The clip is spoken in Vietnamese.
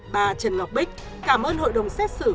bà trần ngọc bích cảm ơn hội đồng xét xử